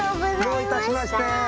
どういたしまして。